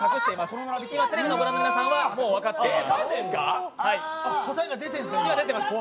テレビをご覧の皆さんは分かってます。